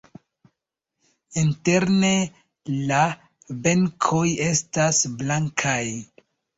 Interne la benkoj estas blankaj.